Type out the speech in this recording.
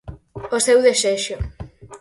O seu desexo.